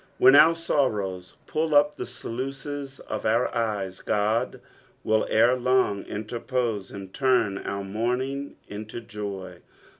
When our sorrows pull up the sluices of otir eyes, God will ere long interpose and turn our mourning into joy.